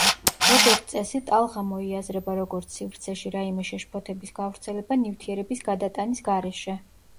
როგორც წესი ტალღა მოიაზრება როგორც სივრცეში რაიმე შეშფოთების გავრცელება ნივთიერების გადატანის გარეშე.